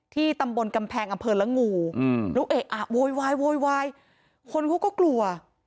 ที่ตำบลกำแพงอำเภอละงูแล้วโวยวายคนเขาก็กลัว